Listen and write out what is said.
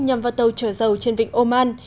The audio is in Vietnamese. nhằm vào tàu trở dầu trên vịnh oman